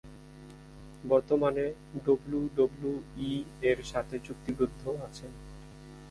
বর্তমানে ডাব্লিউডাব্লিউই এর সাথে চুক্তিবদ্ধ আছেন।